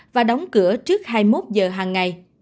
và đóng cửa trước hai mươi một giờ hàng ngày